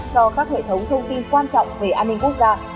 cho các hệ thống thông tin quan trọng về an ninh quốc gia